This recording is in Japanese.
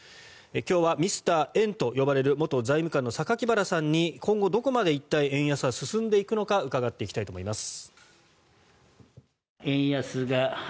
今日はミスター円と呼ばれる元財務官の榊原さんに今後、どこまで一体、円安は進んでいくのか伺っていきたいと思います。